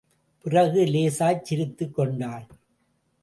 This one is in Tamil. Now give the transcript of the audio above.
பிறகு லேசாய்ச் சிரித்துக் கொண்டாள்.